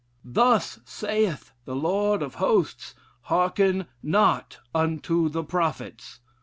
'Thus saith the Lord of Hosts: hearken not unto the prophets.'